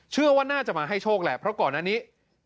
เชื่อว่าน่าจะมาให้โชคแหละเพราะก่อนหน้านี้